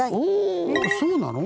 そうなの？